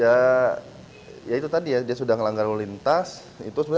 angkotnya itu kenapa bangun apa yang mendorong apa nggak takut ketabrak itu angkot kan terkenal